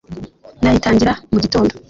Nayitangira mu gitondo